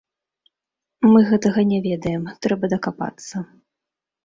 Мы гэтага не ведаем, трэба дакапацца.